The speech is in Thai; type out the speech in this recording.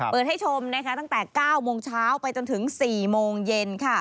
เปิดให้ชมตั้งแต่๙โมงเช้าไปจนถึง๔โมงเย็น